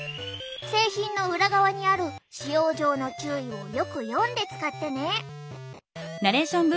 製品の裏側にある使用上の注意をよく読んで使ってね。